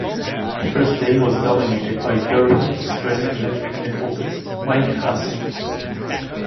The first day was dominated by Durham's Australian left-handed opener, Mike Hussey.